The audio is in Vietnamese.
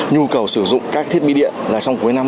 nhu cầu sử dụng các thiết bị điện là trong cuối năm